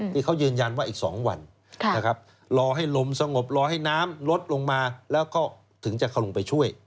ที่เขายืนยันว่าอีก๒วันรอให้ลมสงบรอให้น้ำลดลงมาแล้วก็ถึงจะเข้าไปช่วย